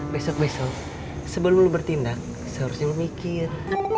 besok besok sebelum lu bertindak seharusnya lo mikir